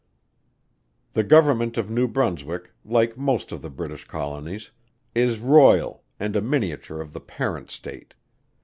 The Government of New Brunswick, like most of the British Colonies, is Royal and a miniature of the parent state.